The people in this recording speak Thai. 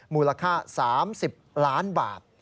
มูลค่า๓๐ล้านบาท